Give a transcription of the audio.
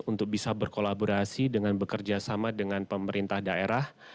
untuk bisa berkolaborasi dengan bekerjasama dengan pemerintah daerah